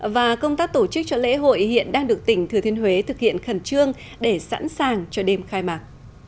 và công tác tổ chức cho lễ hội hiện đang được tỉnh thừa thiên huế thực hiện khẩn trương để sẵn sàng cho đêm khai mạc